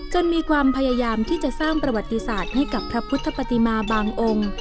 มีความพยายามที่จะสร้างประวัติศาสตร์ให้กับพระพุทธปฏิมาบางองค์